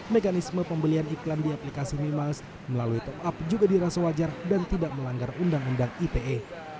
mekanisme pembelian iklan di aplikasi memiles melalui top up juga dirasa wajar dan tidak melanggar undang undang ite